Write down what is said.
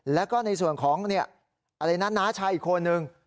แล้วก็ในส่วนของน้าชายอีกคนนึง